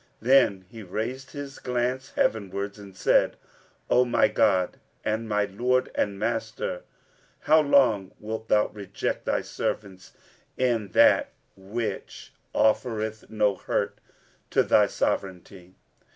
Then he raised his glance heavenwards, and said, 'O my God and my Lord and Master, how long wilt Thou reject Thy servants in that which offereth no hurt to Thy sovereignty?